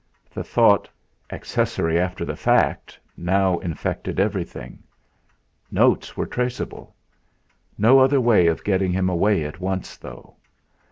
The thought: 'Accessory after the fact!' now infected everything. Notes were traceable. No other way of getting him away at once, though.